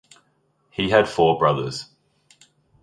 He had four brothers.